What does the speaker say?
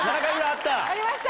ありました！